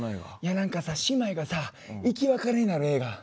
何かさ姉妹がさ生き別れになる映画。